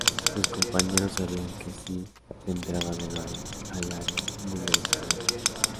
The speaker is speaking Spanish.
Sus compañeros sabían que si centraban el balón al área Müller estaría allí.